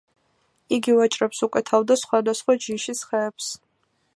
იგი ვაჭრებს უკვეთავდა სხვადასხვა ჯიშის ხეებს.